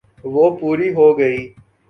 وہ پوری ہو گئی۔